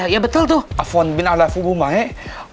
iya betul tuh